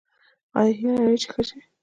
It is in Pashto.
ایا هیله لرئ چې ښه شئ؟